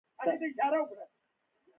تر هغې چې مادي اړتیا نه وي رفع شوې.